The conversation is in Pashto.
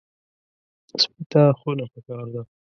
سپي ته خونه پکار ده.